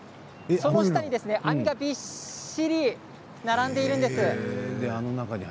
その下に網がびっしり並んでいるんです。